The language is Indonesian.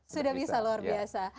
sudah bisa luar biasa